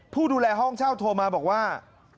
ผู้ดูแลห้องเช่าโทรมาบอกว่า